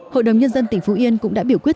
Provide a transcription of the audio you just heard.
hội đồng nhân dân tỉnh phú yên cũng đã biểu quyết